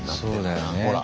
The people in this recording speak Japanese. ほら